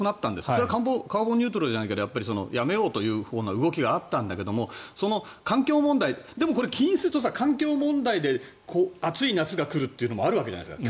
それはカーボンニュートラルじゃないけどやめようという動きがあったんだけどでも、それは起因すると環境問題で暑い夏が来るっていうのもあるわけじゃないですか。